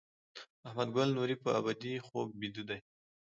محمد ګل نوري په ابدي خوب بیده دی.